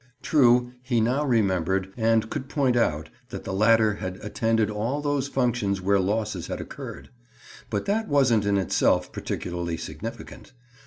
True, he now remembered and could point out that the latter had attended all those functions where losses had occurred. But that wasn't in itself particularly significant.